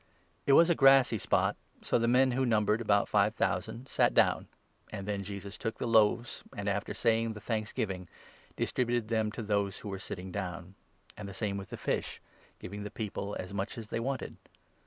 ic It was a grassy spot ; so the men, who numbered about five thousand, sat down, and then Jesus took the loaves, and, after 11 saying the thanksgiving, distributed them to those who were sitting down ; and the same with the fish, giving the people as much as they wanted.